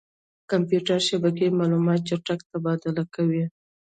کمپیوټر شبکې معلومات چټک تبادله کوي.